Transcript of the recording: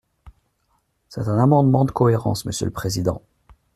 C’est un amendement de cohérence, monsieur le président.